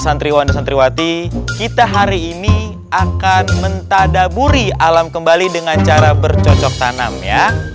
karena kalau ada yang nanti kita hari ini akan menta dadaburi alam kembali dengan cara hvor nice